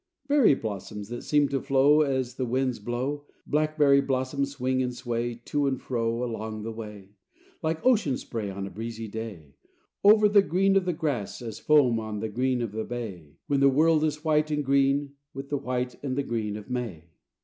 Berry blossoms, that seem to flow As the winds blow, Blackberry blossoms swing and sway To and fro Along the way, Like ocean spray on a breezy day, Over the green of the grass as foam on the green of a bay, When the world is white and green with the white and the green of May.